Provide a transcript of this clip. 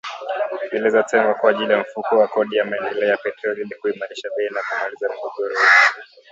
Zilizotengwa kwa ajili ya Mfuko wa Kodi ya Maendeleo ya Petroli ili kuimarisha bei na kumaliza mgogoro huo.